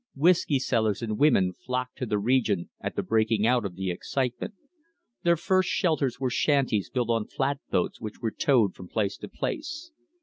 Whiskey sellers and women flocked to the region at the breaking out of the excitement. Their first shelters were shanties built on flatboats which were towed from place to place.